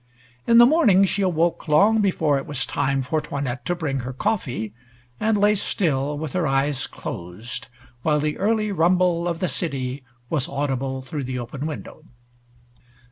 In the morning she awoke long before it was time for 'Toinette to bring her coffee, and lay still, with her eyes closed, while the early rumble of the city was audible through the open window.